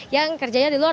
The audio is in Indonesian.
yang kerjanya di luar